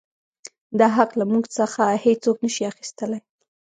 دا حـق لـه مـوږ څـخـه هـېڅوک نـه شـي اخيـستلى.